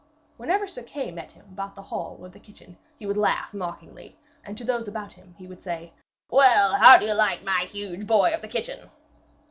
Whenever Sir Kay met him about the hall or the kitchen he would laugh mockingly, and to those about him he would say, 'Well, how like you my huge boy of the kitchen?'